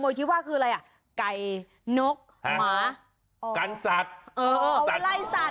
หมายถึง